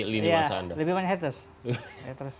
lebih banyak haters